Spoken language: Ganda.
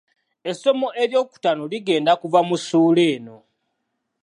essomo eryokutaano ligenda kuva mu ssuula eno.